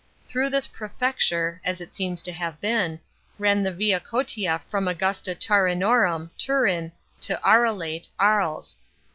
Through this "prefecture" (as it seems to have been) ran the Via Cottia from Augusta Taurinorum (Turin) to Arelate (Aries).